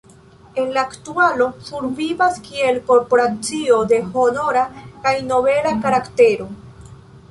En la aktualo survivas kiel korporacio de honora kaj nobela karaktero.